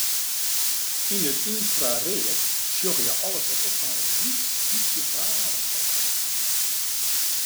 Yn it ynfraread sjogge je alles wat ek mar in lyts bytsje waarmte hat.